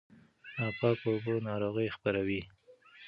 ناپاکه اوبه ناروغي خپروي.